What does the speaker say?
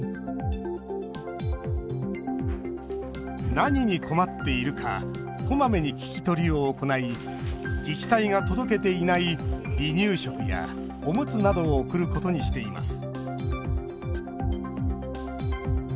何に困っているかこまめに聞き取りを行い自治体が届けていない離乳食やおむつなどを送ることにしています